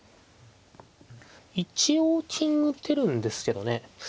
一応金打てるんですけどね。